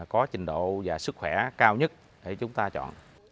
có trình độ và sức khỏe cao nhất để chúng ta chọn